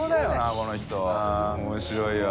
この人面白いわ。